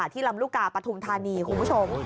ลำลูกกาปฐุมธานีคุณผู้ชม